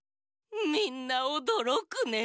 みんなおどろくね。